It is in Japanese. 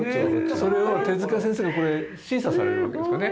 それを手先生がこれ審査されるわけですよね？